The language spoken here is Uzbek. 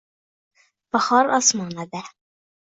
bahor osmonida